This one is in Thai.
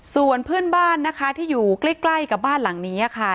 ส่วนเพื่อนบ้านนะคะที่อยู่ใกล้กับบ้านหลังนี้ค่ะ